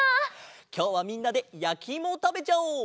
きょうはみんなでやきいもをたべちゃおう！